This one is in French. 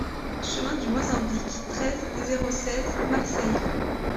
Chemin du Mozambique, treize, zéro seize Marseille